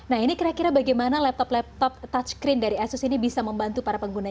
nah ini kira kira bagaimana laptop laptop touchscreen dari asus ini bisa membantu para pengguna